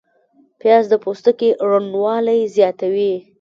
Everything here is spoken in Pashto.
پیاز د پوستکي روڼوالی زیاتوي